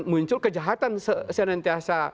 muncul kejahatan senantiasa